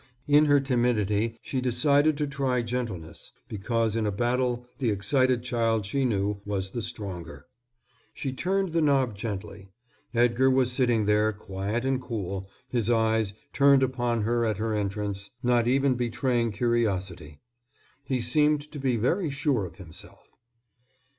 In her timidity she decided to try gentleness, because in a battle the excited child, she knew, was the stronger. She turned the knob gently. Edgar was sitting there quiet and cool, his eyes, turned upon her at her entrance, not even betraying curiosity. He seemed to be very sure of himself.